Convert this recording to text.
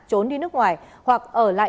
trốn đi nước ngoài hoặc ở lại